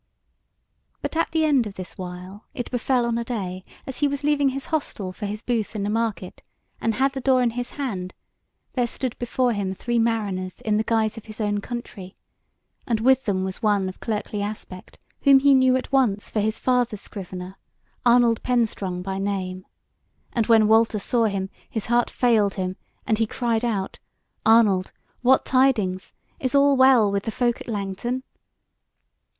But at the end of this while, it befell on a day, as he was leaving his hostel for his booth in the market, and had the door in his hand, there stood before him three mariners in the guise of his own country, and with them was one of clerkly aspect, whom he knew at once for his father's scrivener, Arnold Penstrong by name; and when Walter saw him his heart failed him and he cried out: "Arnold, what tidings? Is all well with the folk at Langton?"